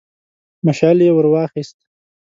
مشعل يې ور واخيست.